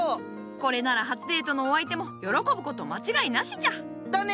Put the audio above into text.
これなら初デートのお相手も喜ぶこと間違いなしじゃ！だね！